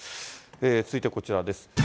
続いて、こちらです。